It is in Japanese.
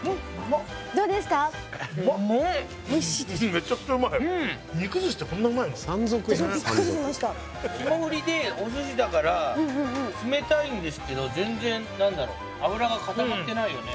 めちゃくちゃうまい私もびっくりしました霜降りでお寿司だから冷たいんですけど全然何だろう脂が固まってないよね